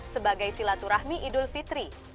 sebagai silaturahmi idul fitri